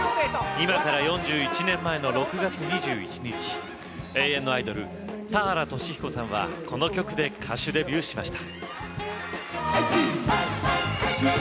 今から４１年前の６月２１日永遠のアイドル・田原俊彦さんはこの曲で歌手デビューしました。